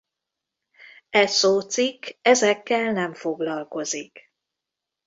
E szócikk ezekkel nem foglalkozik.